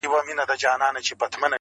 موږ ګناه کار یو چي مو ستا منله،